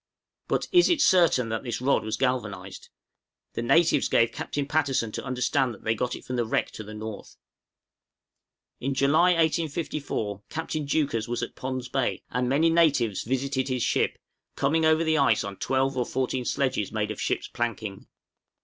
But is it certain that this rod was galvanized? The natives gave Captain Patterson to understand that they got it from the wreck to the north. In July, 1854, Captain Deuchars was at Pond's Bay, and many natives visited his ship, coming over the ice on twelve or fourteen sledges made of ship's planking.